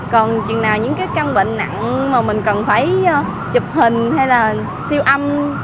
còn chừng nào những cái căn bệnh nặng mà mình cần phải chụp hình hay là siêu âm